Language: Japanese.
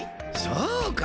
そうか！